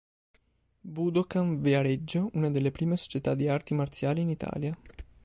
Budokan Viareggio, una delle prime società di arti marziali in Italia.